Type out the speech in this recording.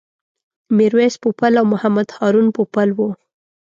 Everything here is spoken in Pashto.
میرویس پوپل او محمد هارون پوپل و.